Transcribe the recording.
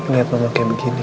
nihat mama kayak begini